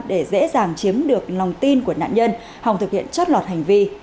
để dễ dàng chiếm được lòng tin của nạn nhân hòng thực hiện chót lọt hành vi